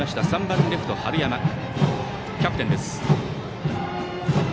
３番レフト、春山キャプテンです。